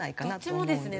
どっちもですね。